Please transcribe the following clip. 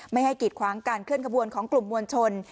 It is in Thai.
ไม่ให้กีดขวางการเคลื่อนขบวนของกลุ่มมวลชน